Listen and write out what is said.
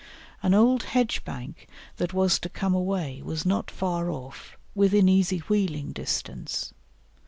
An old hedge bank that was to come away was not far off, within easy wheeling distance.